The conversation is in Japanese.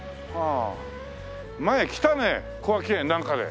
前来たね小涌園なんかで。